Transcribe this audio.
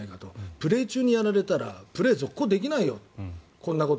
プレー中にやられたらプレー続行できないよこんなこと。